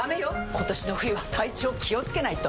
今年の冬は体調気をつけないと！